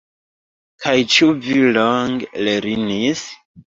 Kaj ĉu vi longe lernis?